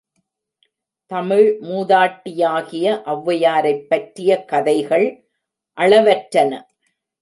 தமிழ் மூதாட்டியாகிய ஒளவையாரைப்பற்றிய கதைகள் அளவற்றன.